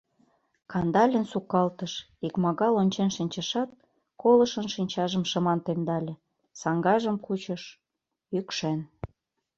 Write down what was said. Кандалин сукалтыш, икмагал ончен шинчышат, колышын шинчажым шыман темдале, саҥгажым кучыш — йӱкшен.